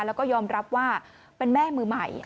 แล้วก็ยอมรับว่าเป็นแม่มือใหม่